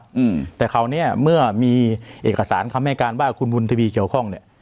อืมแต่คราวเนี้ยเมื่อมีเอกสารคำให้การว่าคุณบุญทวีเกี่ยวข้องเนี้ย